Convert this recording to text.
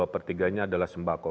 dua per tiga nya adalah sembako